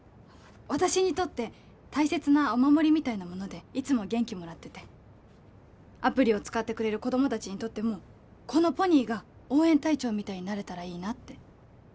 私にとって大切なお守りみたいなものでいつも元気もらっててアプリを使ってくれる子ども達にとってもこのポニーが応援隊長みたいになれたらいいなって